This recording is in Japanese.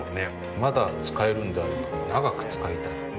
まだ使えるんであれば長く使いたい。